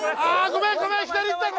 ごめん！